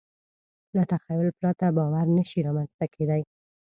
له تخیل پرته باور نهشي رامنځ ته کېدی.